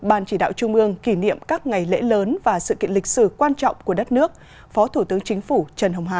ban chỉ đạo trung ương kỷ niệm các ngày lễ lớn và sự kiện lịch sử quan trọng của đất nước phó thủ tướng chính phủ trần hồng hà